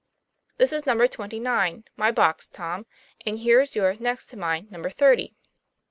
' This is number twenty nine my box, Tom ami here's your's next to mine, number thirty."